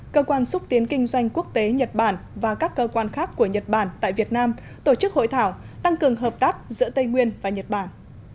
cơ quan xúc tiến kinh doanh quốc tế nhật bản và các cơ quan khác của nhật bản tại việt nam tổ chức hội thảo tăng cường hợp tác giữa tây nguyên và nhật bản